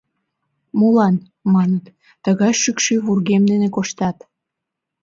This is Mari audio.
«Молан, — маныт, — тыгай шӱкшӧ вургем дене коштат?»